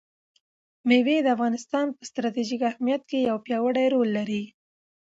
مېوې د افغانستان په ستراتیژیک اهمیت کې یو پیاوړی رول لري.